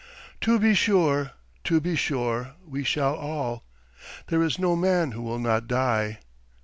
"To be sure, to be sure, we shall all. There is no man who will not die.